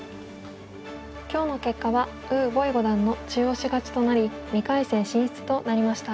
今日の結果は呉柏毅五段の中押し勝ちとなり２回戦進出となりました。